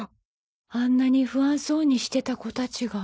あんなに不安そうにしてた子たちが。